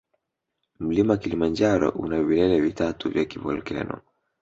Mlima kilimanjaro una vilele vitatu vya kivolkeno